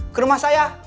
ke rumah saya